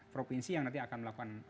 provinsi yang nanti akan melakukan